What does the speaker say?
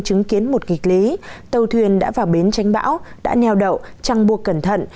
chứng kiến một nghịch lý tàu thuyền đã vào bến tránh bão đã nheo đậu trăng buộc cẩn thận